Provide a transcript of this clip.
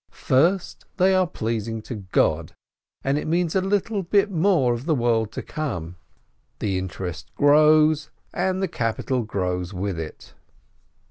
First, they are pleasing to God, and it means a little bit more of the world to come, the interest grows, and the capital grows with it.